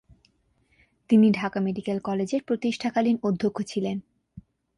তিনি ঢাকা মেডিকেল কলেজের প্রতিষ্ঠাকালীন অধ্যক্ষ ছিলেন।